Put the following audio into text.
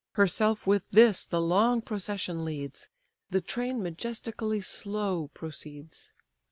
Herself with this the long procession leads; The train majestically slow proceeds.